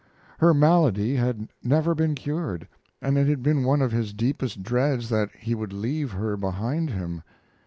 Her malady had never been cured, and it had been one of his deepest dreads that he would leave her behind him.